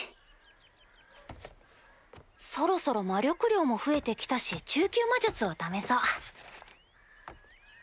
そろそろ魔力量も増えてきたし中級魔術を試そう。